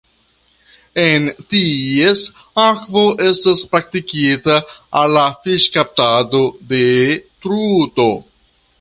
En ties akvo estas praktikita la fiŝkaptado de truto.